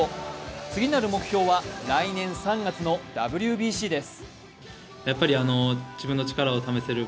次なる目標は来年３月のＷＢＣです。